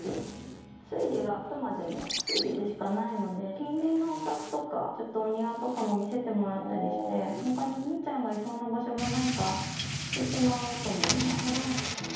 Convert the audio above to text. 推理はあくまでも推理でしかないので、近隣のお宅とか、ちょっとお庭とかも見せてもらったりして、ほかにみーちゃんがいそうな場所がないか、聞いて回ろうと思います。